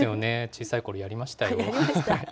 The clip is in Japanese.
小さいころやりましたよ。